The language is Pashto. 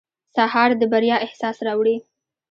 سهار د بریا احساس راوړي.